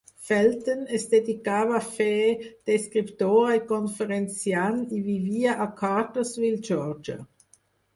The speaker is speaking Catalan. Felton es dedicava a fer d'escriptora i conferenciant i vivia a Cartersville, Geòrgia.